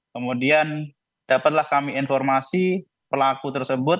kemudian dapatlah kami informasi pelaku tersebut